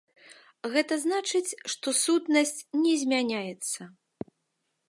Гэта значыць, што сутнасць не змяняецца.